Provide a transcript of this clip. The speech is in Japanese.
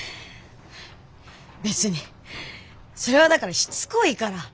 別にそれはだからしつこいから。